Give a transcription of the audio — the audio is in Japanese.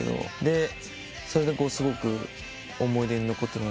それですごく思い出に残ってる。